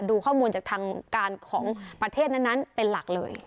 ดูข้อมูลจากทางการของประเทศนั้นเป็นหลักเลย